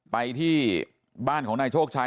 ไปที่บ้านของนายโชคชัย